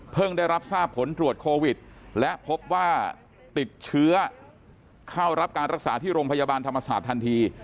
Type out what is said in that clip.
ได้รับทราบผลตรวจโควิดและพบว่าติดเชื้อเข้ารับการรักษาที่โรงพยาบาลธรรมศาสตร์ทันที